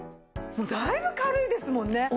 もうだいぶ軽いですもんね！